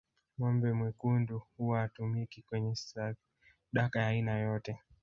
Ngombe mwekundu huwa hatumiki kwenye sadaka ya aina yoyote